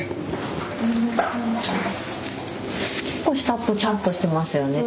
結構下ぽちゃっとしてますよね